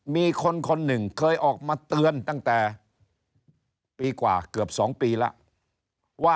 มีคนคนหนึ่งเคยออกมาเตือนตั้งแต่ปีกว่าเกือบ๒ปีแล้วว่า